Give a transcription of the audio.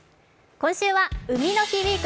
今週は「海の日ウイーク！